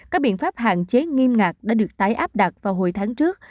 các biện pháp hạn chế nghiêm ngặt đã được tái áp đặt vào hồi tháng trước